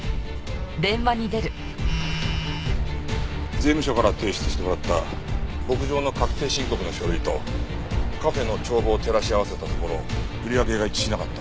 税務署から提出してもらった牧場の確定申告の書類とカフェの帳簿を照らし合わせたところ売り上げが一致しなかった。